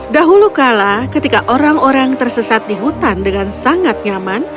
dahulu kala ketika orang orang tersesat di hutan dengan sangat nyaman